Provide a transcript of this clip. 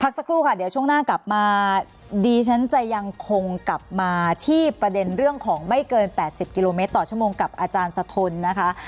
สักครู่ค่ะเดี๋ยวช่วงหน้ากลับมาดีฉันจะยังคงกลับมาที่ประเด็นเรื่องของไม่เกิน๘๐กิโลเมตรต่อชั่วโมงกับอาจารย์สะทนนะคะ